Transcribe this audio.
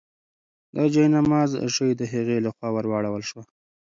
د جاینماز ژۍ د هغې لخوا ورواړول شوه.